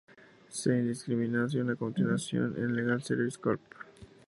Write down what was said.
Si es indiscriminado, a continuación, en Legal Services Corp.